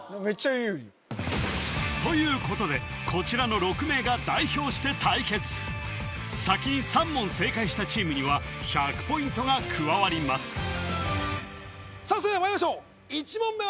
メッチャ有利ということでこちらの６名が代表して対決先に３問正解したチームには１００ポイントが加わります